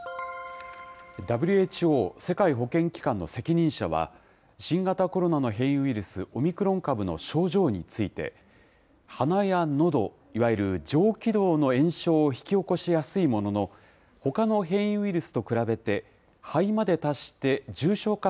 ＷＨＯ・世界保健機関の責任者は、新型コロナの変異ウイルス、オミクロン株の症状について、鼻やのど、いわゆる上気道の炎症を引き起こしやすいものの、ほかの変異ウイ